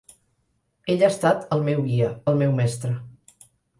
Ell ha estat el meu guia, el meu mestre.